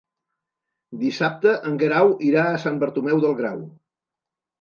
Dissabte en Guerau irà a Sant Bartomeu del Grau.